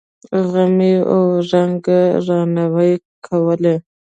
غمي اوه رنگه رڼاوې کولې.